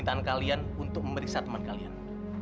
permintaan kalian untuk memeriksa teman kalian